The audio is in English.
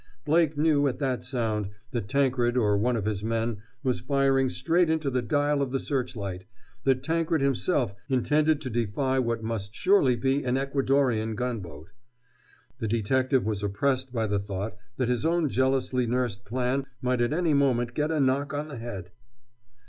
Blake knew, at that sound, that Tankred or one of his men was firing straight into the dial of the searchlight, that Tankred himself intended to defy what must surely be an Ecuadorean gunboat. The detective was oppressed by the thought that his own jealously nursed plan might at any moment get a knock on the head.